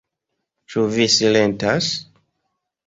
Ĉu vi silentas?